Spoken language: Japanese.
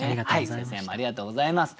先生もありがとうございます。